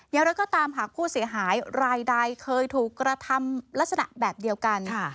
อย่างไรก็ตามหากผู้เสียหายรายใดเคยถูกกระทำลักษณะแบบเดียวกัน